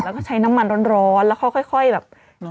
แล้วก็ใช้น้ำมันร้อนแล้วค่อยแบบ